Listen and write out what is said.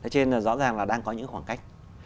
thế nên rõ ràng là đang có những khoảng cách